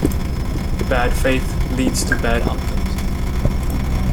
Bad faith leads to bad outcomes.